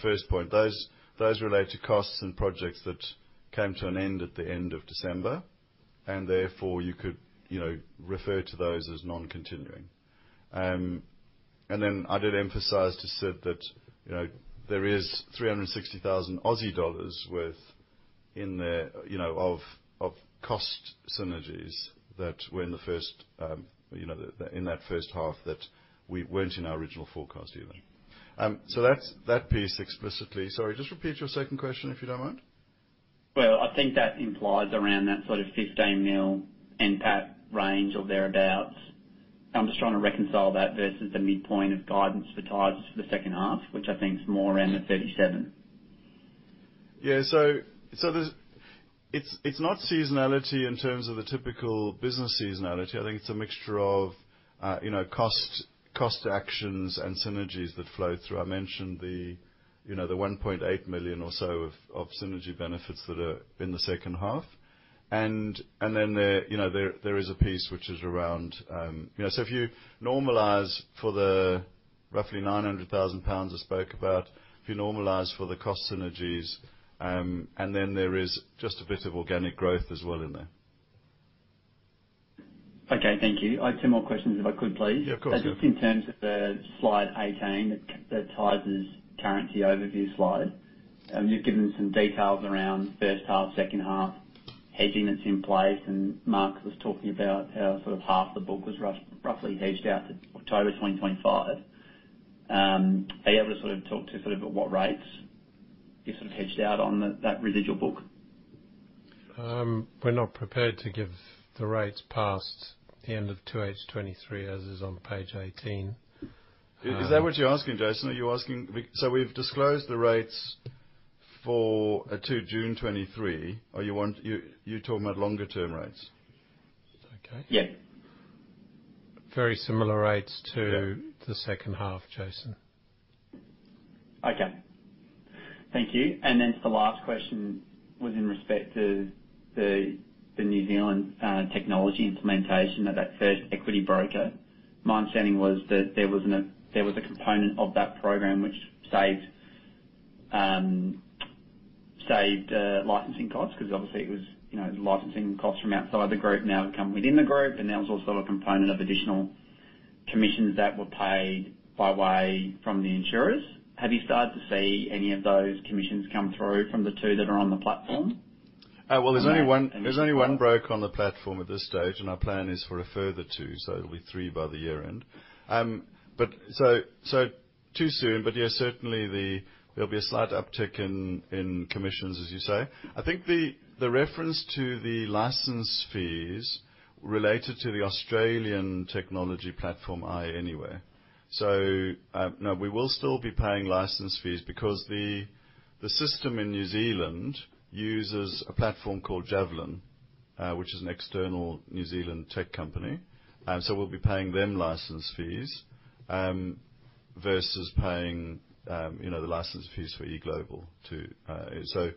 first point. Those relate to costs and projects that came to an end at the end of December, and therefore you could, refer to those as non-continuing. I did emphasize to Sid that, there is 360,000 Aussie dollars worth in there, of cost synergies that were in the first, in that first half that we weren't in our original forecast even. That's that piece explicitly. Sorry, just repeat your second question, if you don't mind. I think that implies around that sort of 15 million NPAT range or thereabout. I'm just trying to reconcile that versus the midpoint of guidance for Tysers for the second half, which I think is more around the AUD 37 million. It's not seasonality in terms of a typical business seasonality. I think it's a mixture of, cost actions and synergies that flow through. I mentioned the, the 1.8 million or so of synergy benefits that are in the second half. Then there, there is a piece which is around. If you normalize for the roughly 900,000 pounds I spoke about, if you normalize for the cost synergies, and then there is just a bit of organic growth as well in there. Okay, thank you. I had two more questions if I could please. Yeah, of course. Just in terms of the slide 18, the Tysers' currency overview slide. You've given some details around first half, second half hedging that's in place, and Mark was talking about how sort of half the book was roughly hedged out to October 2025. Are you able to sort of talk to sort of at what rates you sort of hedged out on that residual book? We're not prepared to give the rates past the end of 2/8/2023 as is on page 18. Is that what you're asking, Jason? We've disclosed the rates for, to June 2023, You're talking about longer term rates? Okay. Yeah. Very similar rates to. Yeah. The second half, Jason. Okay. Thank you. The last question was in respect to the New Zealand technology implementation of that first equity broker. My understanding was that there was a component of that program which saved licensing costs because obviously it was, licensing costs from outside the group now come within the group. There was also a component of additional commissions that were paid by way from the insurers. Have you started to see any of those commissions come through from the two that are on the platform? Well, there's only. There's only 1 broker on the platform at this stage, and our plan is for a further 2, so it'll be 3 by the year end. So too soon. Yeah, certainly the... There'll be a slight uptick in commissions, as you say. I think the reference to the license fees related to the Australian technology platform, iaAnyware. So, no, we will still be paying license fees because the system in New Zealand uses a platform called JAVLN, which is an external New Zealand tech company. We'll be paying them license fees versus paying, the license fees for E-Global too. From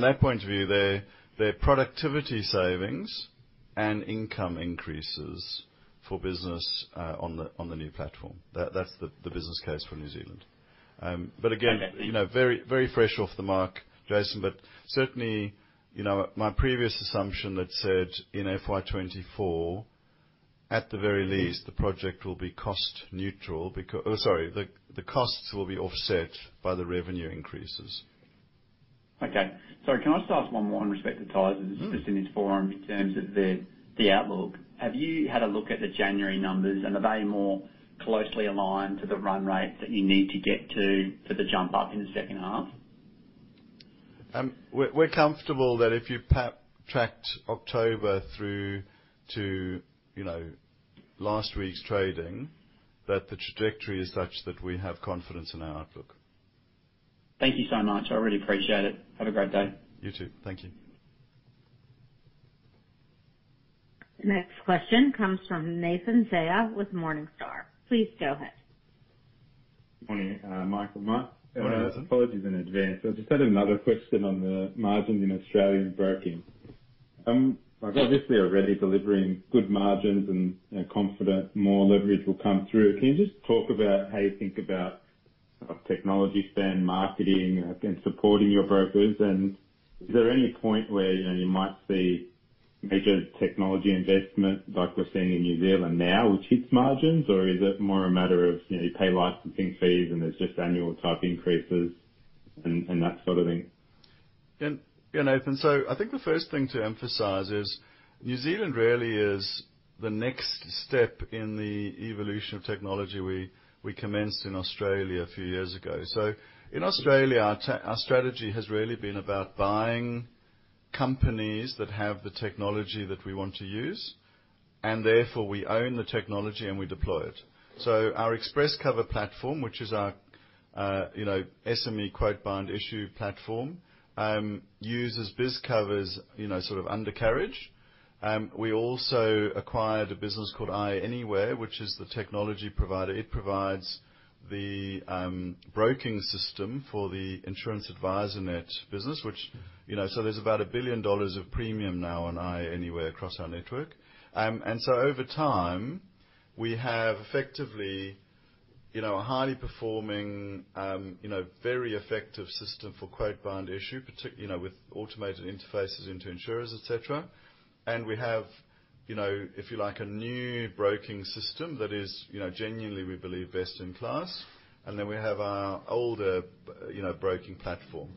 that point of view, there are productivity savings and income increases for business on the new platform. That's the business case for New Zealand. again, very fresh off the mark, Jason. certainly, my previous assumption that said in FY24, at the very least, the project will be cost neutral. Oh, sorry, the costs will be offset by the revenue increases. Okay. Sorry, can I just ask one more in respect to Tysers? Just in this forum, in terms of the outlook. Have you had a look at the January numbers and are they more closely aligned to the run rates that you need to get to, for the jump up in the second half? we're comfortable that if you tracked October through to, last week's trading, that the trajectory is such that we have confidence in our outlook. Thank you so much. I really appreciate it. Have a great day. You too. Thank you. Next question comes from Nathan Zaia with Morningstar. Please go ahead. Morning, Mike and Mark. Morning, Nathan. Apologies in advance. I just had another question on the margins in Australian broking. Like, obviously, already delivering good margins and, confident more leverage will come through. Can you just talk about how you think about technology spend, marketing, and supporting your brokers? Is there any point where, you might see major technology investment like we're seeing in New Zealand now, which hits margins? Is it more a matter of, you pay licensing fees and there's just annual type increases and that sort of thing? Nathan, I think the first thing to emphasize is New Zealand really is the next step in the evolution of technology we commenced in Australia a few years ago. In Australia, our strategy has really been about buying companies that have the technology that we want to use, and therefore we own the technology and we deploy it. Our ExpressCover platform, which is our, SME quote bind issue platform, uses BizCover's, sort of undercarriage. We also acquired a business called iaAnyware, which is the technology provider. It provides the broking system for the Insurance Advisernet business, which, you know. There's about $1 billion of premium now on iaAnyware across our network. Over time, we have effectively, a highly performing, very effective system for quote bind issue, with automated interfaces into insurers, et cetera. We have, if you like, a new broking system that is, genuinely, we believe, best in class. Then we have our older, broking platform.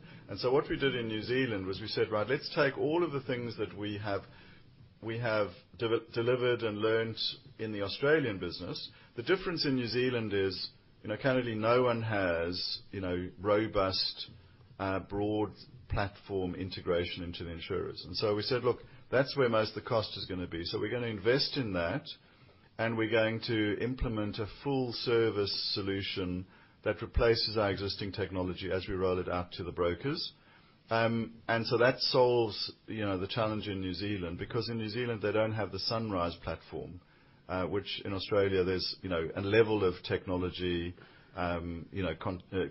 What we did in New Zealand was we said, "Right, let's take all of the things that we have delivered and learned in the Australian business." The difference in New Zealand is, currently no one has, robust, broad platform integration into the insurers. We said, "Look, that's where most of the cost is gonna be. We're gonna invest in that, and we're going to implement a full service solution that replaces our existing technology as we roll it out to the brokers. That solves, the challenge in New Zealand, because in New Zealand, they don't have the Sunrise platform, which in Australia there's, a level of technology,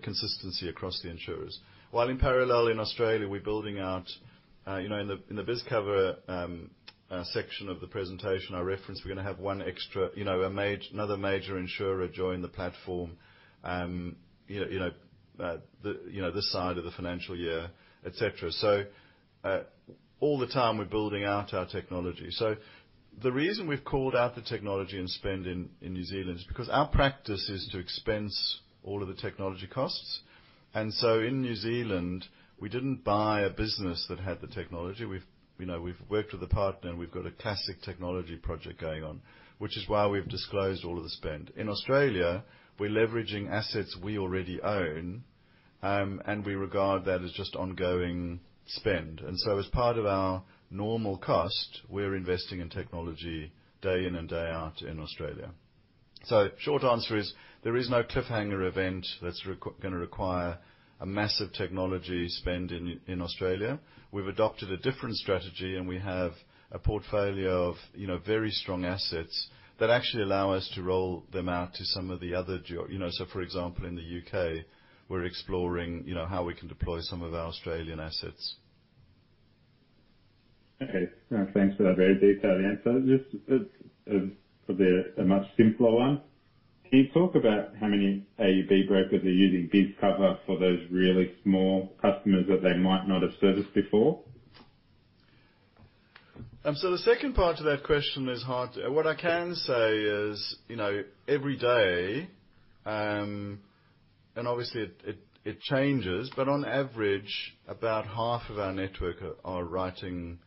consistency across the insurers. While in parallel in Australia, we're building out, in the, in the BizCover section of the presentation I referenced, we're gonna have 1 extra, another major insurer join the platform, the, this side of the financial year, et cetera. All the time we're building out our technology. The reason we've called out the technology and spend in New Zealand is because our practice is to expense all of the technology costs. In New Zealand, we didn't buy a business that had the technology. We've, worked with a partner and we've got a classic technology project going on, which is why we've disclosed all of the spend. In Australia, we're leveraging assets we already own, and we regard that as just ongoing spend. As part of our normal cost, we're investing in technology day in and day out in Australia. Short answer is, there is no cliffhanger event that's gonna require a massive technology spend in Australia. We've adopted a different strategy, and we have a portfolio of, very strong assets that actually allow us to roll them out to some of the other, so for example, in the UK, we're exploring, how we can deploy some of our Australian assets. Okay. All right, thanks for that very detailed answer. Just for a much simpler one. Can you talk about how many AUB Brokers are using BizCover for those really small customers that they might not have serviced before? The second part to that question is hard. What I can say is, every day, and obviously it changes, but on average, about half of our network are writing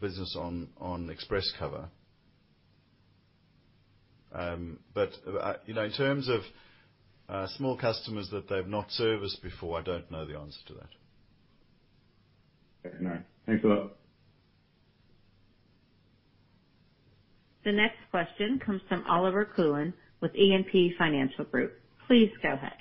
business on ExpressCover. In terms of small customers that they've not serviced before, I don't know the answer to that. Okay, nice. Thanks a lot. The next question comes from Olivier Coulon with E&P Financial Group. Please go ahead.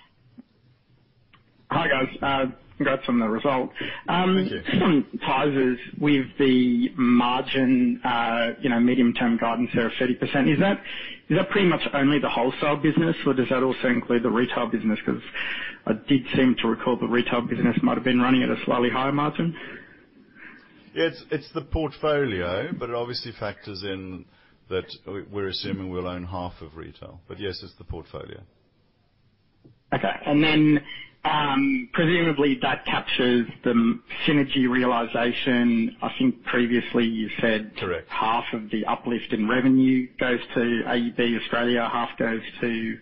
Hi, guys. Congrats on the result. Thank you. Tysers with the margin, medium-term guidance there of 30%. Is that, is that pretty much only the wholesale business, or does that also include the retail business 'cause I did seem to recall the retail business might have been running at a slightly higher margin? It's the portfolio, but it obviously factors in that we're assuming we'll own half of retail. Yes, it's the portfolio. Okay. Presumably that captures the synergy realization. I think previously you said. Correct. Half of the uplift in revenue goes to AUB Australia, half goes to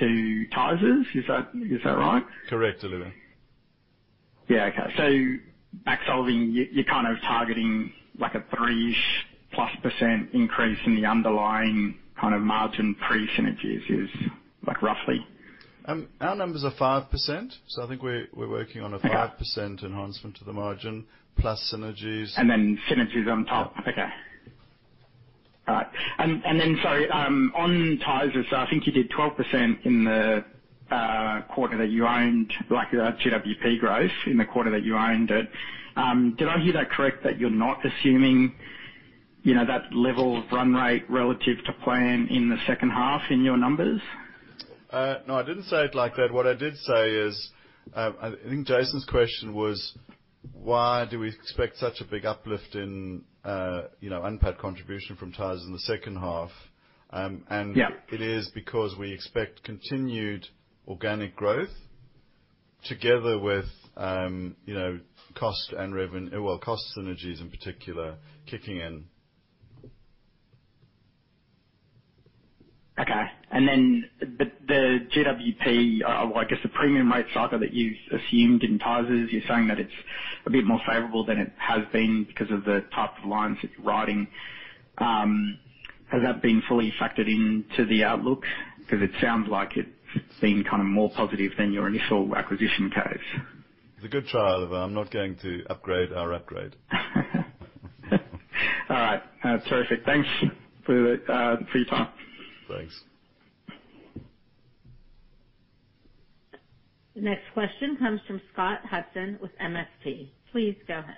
Tysers. Is that right? Correct, Oliver. Okay, back solving, you're kind of targeting like a 3-ish plus % increase in the underlying kind of margin pre synergies is like roughly. Our numbers are 5%, so I think we're working on a 5%. Okay. enhancement to the margin plus synergies. Synergies on top. Yeah. Okay. All right. Then, sorry, on Tysers, I think you did 12% in the quarter that you owned, like the GWP growth in the quarter that you owned it. Did I hear that correct that you're not assuming, that level of run rate relative to plan in the second half in your numbers? No, I didn't say it like that. What I did say is, I think Jason's question was why do we expect such a big uplift in, unpaid contribution from Tysers in the second half? Yeah. It is because we expect continued organic growth together with, Well, cost synergies in particular kicking in. Okay. The GWP, or I guess the premium rate cycle that you assumed in Tysers, you're saying that it's a bit more favorable than it has been because of the type of lines that you're writing. Has that been fully factored into the outlook? It sounds like it's been kind of more positive than your initial acquisition case. It's a good try, Olivier. I'm not going to upgrade our upgrade. All right. terrific. Thanks for the for your time. Thanks. The next question comes from Scott Hudson with MST. Please go ahead.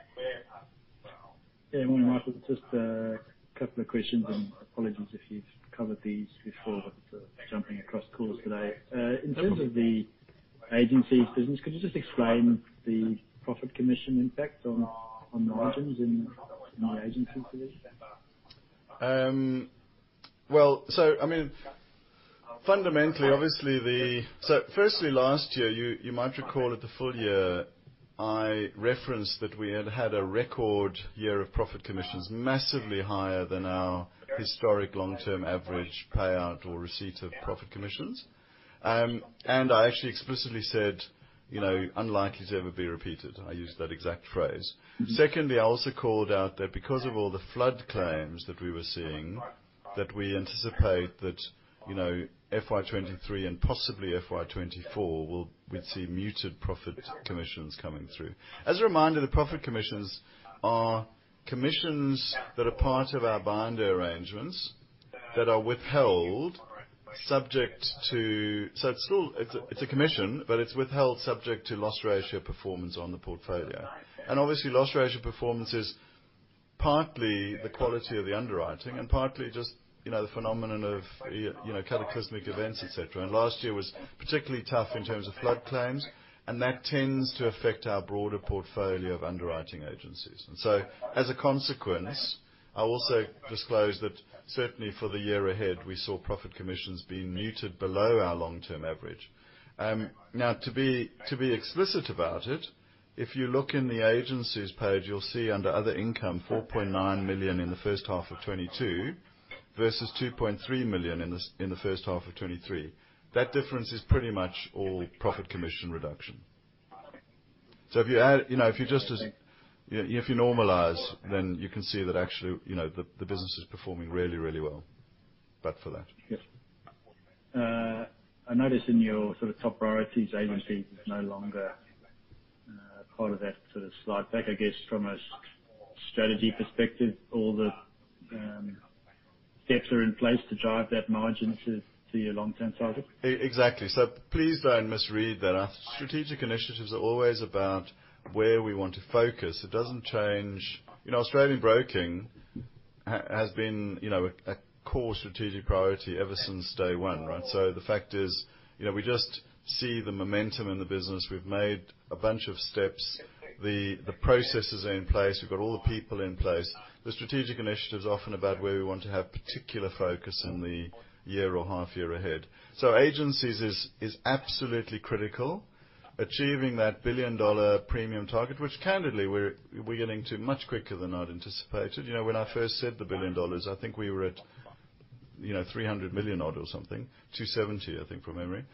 Yeah. Morning, Michael. Just a couple of questions and apologies if you've covered these before. Jumping across calls today. In terms of the agencies business, could you just explain the profit commission impact on the margins in the agency space? I mean, fundamentally, obviously, firstly, last year, you might recall at the full year, I referenced that we had had a record year of profit commissions massively higher than our historic long-term average payout or receipt of profit commissions. I actually explicitly said, unlikely to ever be repeated. I used that exact phrase. Secondly, I also called out that because of all the flood claims that we were seeing, that we anticipate that, FY23 and possibly FY24 will, we'd see muted profit commissions coming through. As a reminder, the profit commissions are commissions that are part of our binder arrangements that are withheld subject to... So it's still, it's a commission, but it's withheld subject to loss ratio performance on the portfolio. Obviously, loss ratio performance is partly the quality of the underwriting and partly just, the phenomenon of, cataclysmic events, et cetera. Last year was particularly tough in terms of flood claims, and that tends to affect our broader portfolio of underwriting agencies. As a consequence, I also disclosed that certainly for the year ahead, we saw profit commissions being muted below our long-term average. Now to be explicit about it, if you look in the agencies page, you'll see under other income, $4.9 million in the first half of 2022 versus $2.3 million in the first half of 2023. That difference is pretty much all profit commission reduction. If you add, if you normalize, then you can see that actually, the business is performing really, really well, but for that. Yeah. I noticed in your sort of top priorities agency is no longer part of that sort of slide deck, I guess, from a strategy perspective, all the steps are in place to drive that margin to your long-term target. Exactly. Please don't misread that. Our strategic initiatives are always about where we want to focus. It doesn't change., Austbrokers has been, a core strategic priority ever since day one, right? The fact is, we just see the momentum in the business. We've made a bunch of steps. The processes are in place. We've got all the people in place. The strategic initiative's often about where we want to have particular focus in the year or half year ahead. Agencies is absolutely critical. Achieving that 1 billion premium target, which candidly we're getting to much quicker than I'd anticipated., when I first said the 1 billion dollars, I think we were at. AUD 300 million odd or something. 270 million, I think, from memory.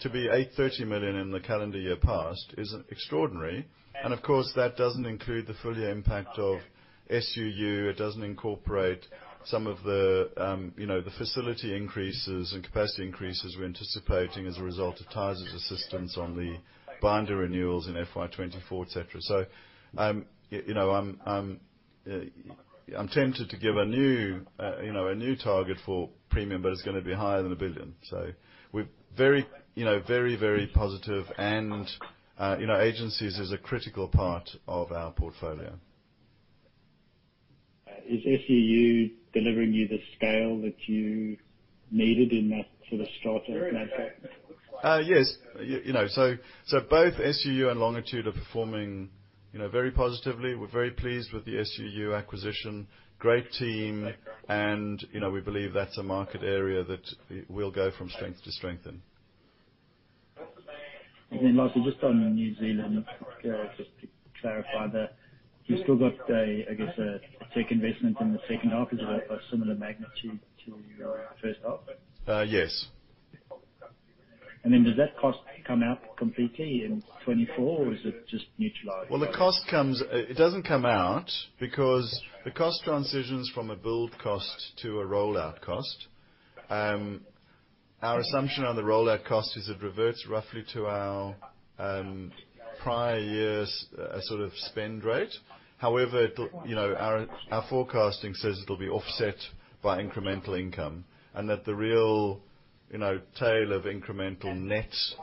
To be 830 million in the calendar year past is extraordinary. Of course, that doesn't include the full year impact of SUU. It doesn't incorporate some of the, the facility increases and capacity increases we're anticipating as a result of Tysers assistance on the binder renewals in FY24, et cetera. I'm tempted to give a new, a new target for premium, but it's gonna be higher than 1 billion. We're very, very, very positive and, agencies is a critical part of our portfolio. Is SUU delivering you the scale that you needed in that sort of start of that fact? Yes. Both SUU and Longitude are performing, very positively. We're very pleased with the SUU acquisition. Great team and, we believe that's a market area that we'll go from strength to strength in. Lastly, just on New Zealand, just to clarify that you've still got a, I guess, a tech investment in the second half. Is it a similar magnitude to your first half? Yes. Does that cost come out completely in 2024, or is it just neutralized? Well, the cost doesn't come out because the cost transitions from a build cost to a rollout cost. Our assumption on the rollout cost is it reverts roughly to our prior year's sort of spend rate. However, it'll, our forecasting says it'll be offset by incremental income and that the real, tail of incremental nets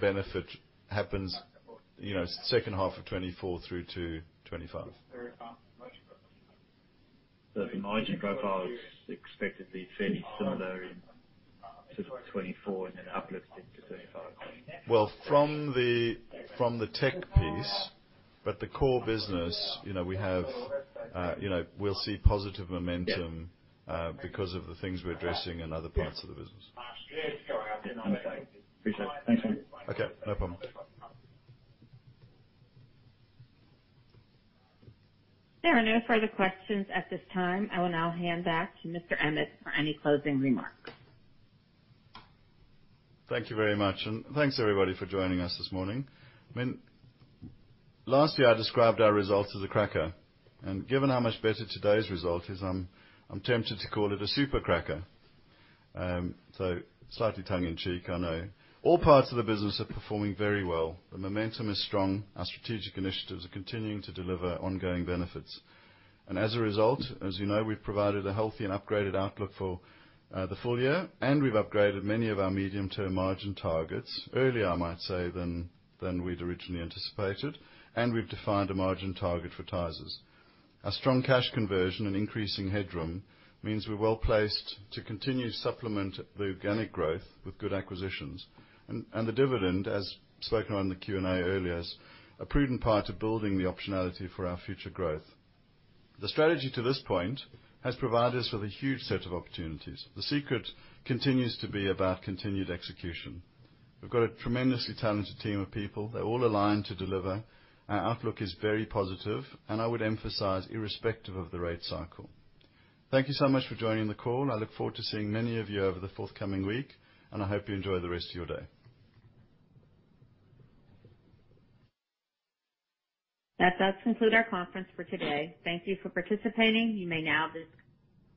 benefit happens, second half of 2024 through to 2025. The margin profile is expected to be fairly similar in sort of 2024 and then uplifted to 2025. From the tech piece, but the core business, we have, we'll see positive momentum, because of the things we're addressing in other parts of the business. Okay. Appreciate it. Thanks. Okay, no problem. There are no further questions at this time. I will now hand back to Mr. Emmett for any closing remarks. Thank you very much, and thanks, everybody, for joining us this morning. I mean, last year, I described our results as a cracker, and given how much better today's result is, I'm tempted to call it a super cracker. Slightly tongue in cheek, I know. All parts of the business are performing very well. The momentum is strong. Our strategic initiatives are continuing to deliver ongoing benefits. As a result, as, we've provided a healthy and upgraded outlook for the full year, and we've upgraded many of our medium-term margin targets, earlier, I might say, than we'd originally anticipated, and we've defined a margin target for Tysers. Our strong cash conversion and increasing headroom means we're well-placed to continue to supplement the organic growth with good acquisitions. The dividend, as spoken on the Q&A earlier, is a prudent part of building the optionality for our future growth. The strategy to this point has provided us with a huge set of opportunities. The secret continues to be about continued execution. We've got a tremendously talented team of people. They're all aligned to deliver. Our outlook is very positive. I would emphasize irrespective of the rate cycle. Thank you so much for joining the call. I look forward to seeing many of you over the forthcoming week. I hope you enjoy the rest of your day. That does conclude our conference for today. Thank you for participating. You may now.